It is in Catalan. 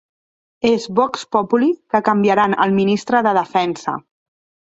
És 'vox populi' que canviaran el ministre de defensa.